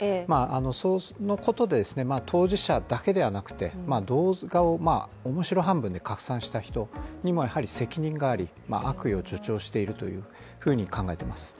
そのことで当事者だけではなくて動画を面白半分で拡散した人にもやはり責任があり悪意を助長しているというふうに考えています。